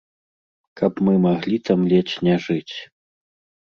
Каб мы маглі там ледзь не жыць.